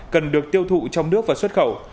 cần được tiêu thụ trong nước và xuất khẩu